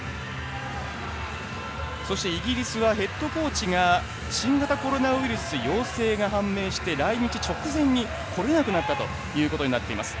イギリスはヘッドコーチが新型コロナウイルス陽性が判明して来日直前に来れなくなったということになっています。